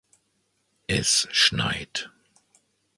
Es schneit.